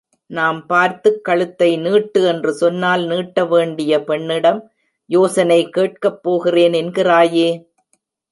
நாம் பார்த்துக் கழுத்தை நீட்டு என்று சொன்னால் நீட்டவேண்டிய பெண்ணிடம், யோசனை கேட்கப் போகிறேன் என்கிறாயே!